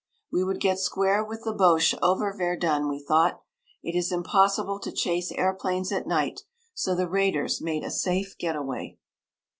We would get square with the Boches over Verdun, we thought it is impossible to chase airplanes at night, so the raiders made a safe getaway.